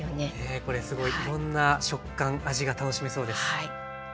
これすごいいろんな食感味が楽しめそうです。